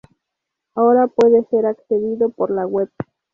Ahora puede ser accedido por la web.